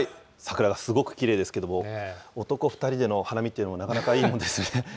桜がすごくきれいですけれども、男２人での花見というのもなかなかいいものですね。